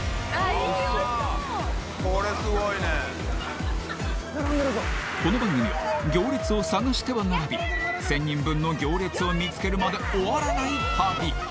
おいしそうこれすごいねこの番組は行列を探しては並び１０００人分の行列を見つけるまで終わらない旅